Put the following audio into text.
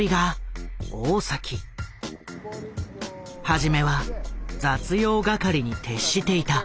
初めは雑用係に徹していた。